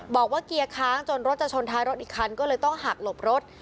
บอกว่าเกียร์ค้างจนรถจะชนท้ายรถอีกคันก็เลยต้องหักหลบรถ